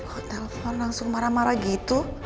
mau telepon langsung marah marah gitu